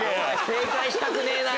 正解したくねえな！